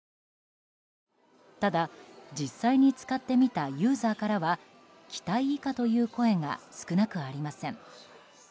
ただ、実際に使ってみたユーザーからは期待以下という声が少なくありません。